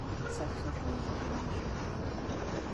D tafsut mm yijeǧǧigen icebḥanen.